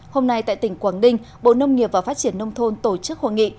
hôm nay tại tỉnh quảng ninh bộ nông nghiệp và phát triển nông thôn tổ chức hội nghị